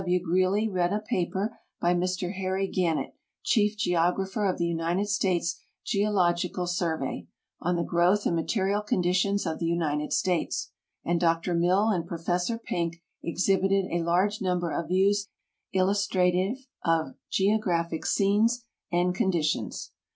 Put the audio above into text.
W. Greely read a paper by Mr Henry Gannett, Chief Geographer of the U. S. Geological Sur vey, on the Growth and Material Conditions of the United States, and Dr Mill and Prof. Penck exhibited a large number of views illustrative of geographic scenes and conditions.